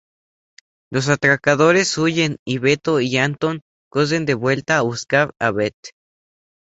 Los atracadores huyen, y Beto y Antón corren de vuelta a buscar a Beth.